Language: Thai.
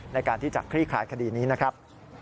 ในการที่จะคลี่คลายคดีนี้นะครับ